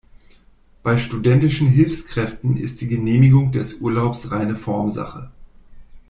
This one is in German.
Bei studentischen Hilfskräften ist die Genehmigung des Urlaubs reine Formsache.